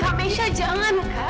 kamisya jangan kak